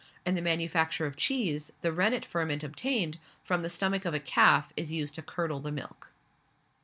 In the manufacture of cheese, the rennetferment obtained, from the stomach of a calf is used to curdle the milk.